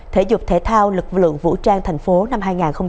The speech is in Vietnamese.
thể dục thể thao lực lượng vũ trang thành phố năm hai nghìn hai mươi ba